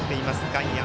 外野。